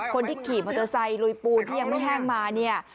คนที่ขี่มอเตอร์ไซค์ลุยปูนที่ยังไม่แห้งมาเนี่ย